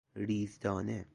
ریزدانه